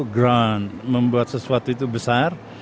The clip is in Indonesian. ground membuat sesuatu itu besar